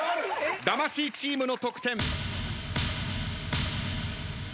魂チームの得点。